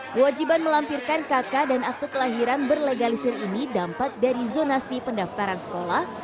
kewajiban melampirkan kakak dan akte kelahiran berlegalisir ini dampak dari zonasi pendaftaran sekolah